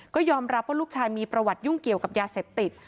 ก็ยอมรับว่าลูกชายมีประวัติยุ่งเกี่ยวกับยาเสพติด